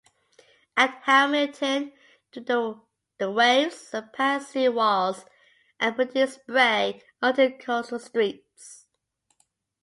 At Hamilton, the waves surpassed seawalls and produced spray onto coastal streets.